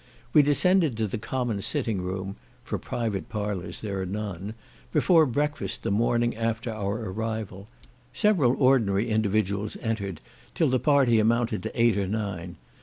We descended to the common sitting room (for private parlours there are none) before breakfast the morning after our arrival; several ordinary individuals entered, till the party amounted to eight or nine.